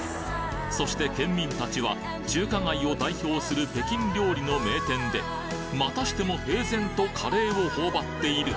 そして県民たちは中華街を代表する北京料理の名店でまたしても平然とカレーを頬張っている。